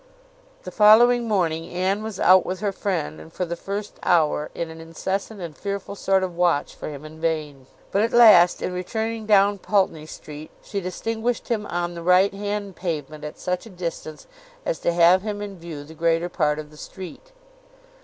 The following morning Anne was out with her friend, and for the first hour, in an incessant and fearful sort of watch for him in vain; but at last, in returning down Pulteney Street, she distinguished him on the right hand pavement at such a distance as to have him in view the greater part of the street.